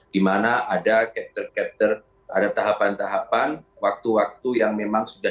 di mana ada tahapan tahapan waktu waktu yang memang sudah